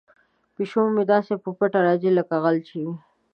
پیشو مې داسې په پټه راځي لکه غل چې وي.